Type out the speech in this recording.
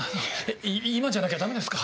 い今じゃなきゃダメですか？